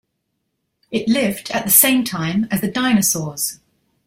It lived at the same time as the dinosaurs.